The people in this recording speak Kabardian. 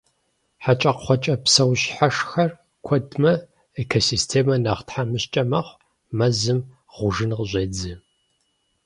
Хьэкӏэкхъуэкӏэ псэущхьэшххэр кӀуэдмэ, экосистемэр нэхъ тхьэмыщкӀэ мэхъу, мэзым гъужын къыщӀедзэ.